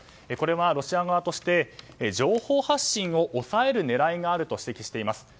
これはロシア側として情報発信を抑える狙いがあると指摘しています。